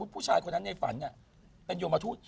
ผู้ชายคนนั้นในฝันเป็นโยมทูต